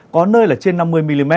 có nơi là trên năm mươi mm